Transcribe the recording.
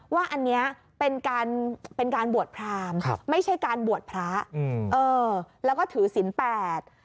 ว่าอันนี้เป็นการบวชพรามไม่ใช่การบวชพระแล้วก็ถือศิลป์แปด